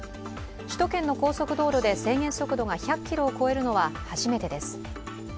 首都圏の高速道路で制限速度が１００キロを超えるのは初めてです。